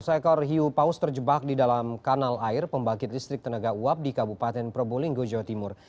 seekor hiu paus terjebak di dalam kanal air pembangkit listrik tenaga uap di kabupaten probolinggo jawa timur